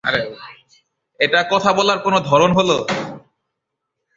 এটা কথা বলার কোনো ধরণ হলো?